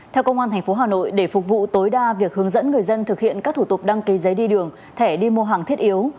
theo công an tp hà nội để phục vụ tối đa việc hướng dẫn người dân thực hiện các thủ tục đăng ký giấy đi đường thẻ đi mua hàng thiết yếu